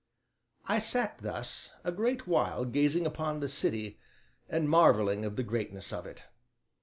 I sat thus a great while gazing upon the city and marvelling at the greatness of it.